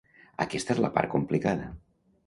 Aquesta és la part complicada.